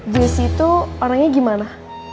jesse itu orangnya gimana